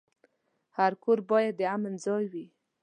هر کور باید د امن ځای وي.